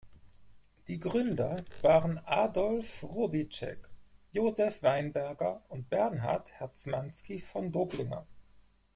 Die Gründer waren Adolf Robitschek, Josef Weinberger und Bernhard Herzmansky von Doblinger.